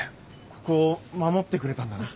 ここを守ってくれたんだな。